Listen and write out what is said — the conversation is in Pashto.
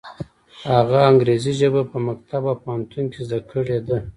هغه انګریزي ژبه یې په مکتب او پوهنتون کې زده کړې ده.